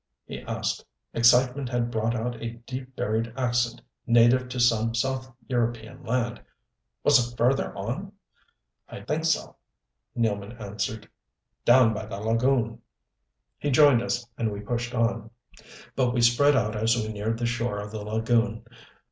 he asked. Excitement had brought out a deep buried accent, native to some South European land. "Was it further on?" "I think so," Nealman answered. "Down by the lagoon." He joined us, and we pushed on, but we spread out as we neared the shore of the lagoon.